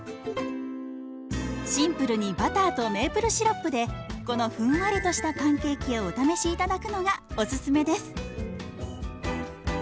シンプルにバターとメープルシロップでこのふんわりとしたパンケーキをお試し頂くのがお勧めです！